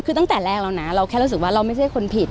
คือตั้งแต่แรกแล้วนะเราแค่รู้สึกว่าเราไม่ใช่คนผิด